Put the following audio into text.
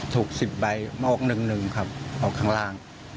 ถูกสิบใบมอกหนึ่งครับเอาข้างล่าง